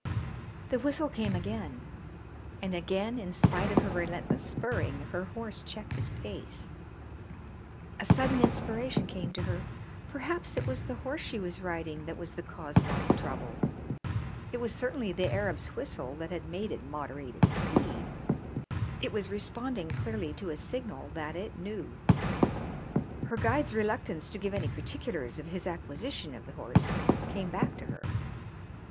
The whistle came again, and again, in spite of her relentless spurring, her horse checked his pace. A sudden inspiration came to her. Perhaps it was the horse she was riding that was the cause of all the trouble. It was certainly the Arab's whistle that had made it moderate its speed; it was responding clearly to a signal that it knew. Her guide's reluctance to give any particulars of his acquisition of the horse came back to her.